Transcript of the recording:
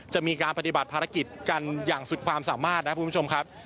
จะมีการปฏิบัติภารกิจกันอย่างสุดความสามารถนะครับคุณผู้ชมครับ